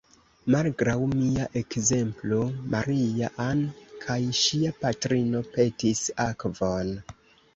Malgraŭ mia ekzemplo, Maria-Ann kaj ŝia patrino petis akvon.